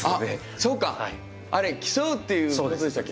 そうか競うっていうことでしたっけ。